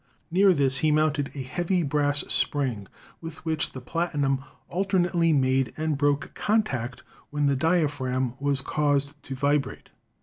Near this he mounted a heavy brass spring, with which the platinum alternately made and broke contact when the diaphragm was caused to vibrate.